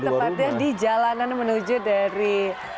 tepatnya di jalanan menuju dari